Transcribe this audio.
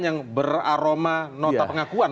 yang beraroma nota pengakuan